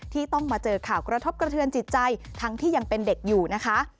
ที่ต้องมาเจอข่าวกระทบกระเทือนจิตใจทั้งที่ยังเป็นเด็กอยู่นะคะ